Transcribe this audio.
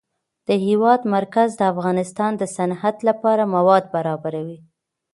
د هېواد مرکز د افغانستان د صنعت لپاره مواد برابروي.